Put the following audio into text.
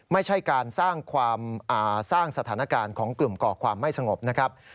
ไม่ใช่การสร้างสถานการณ์ของกลุ่มก่อความไม่สงบนะครับ